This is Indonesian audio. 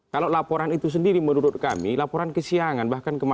kalau laporan itu sendiri menurut kami laporan kesiangan bahkan kemarin